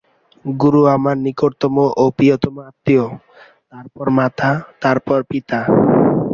গুরু আমার নিকটতম ও প্রিয়তম আত্মীয়, তারপর মাতা, তারপর পিতা।